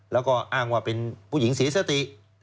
แล้วก็อ้างว่าเป็นผู้หญิงเสียสติ